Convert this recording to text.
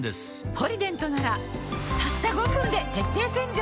「ポリデント」ならたった５分で徹底洗浄